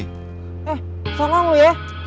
eh salah lu ya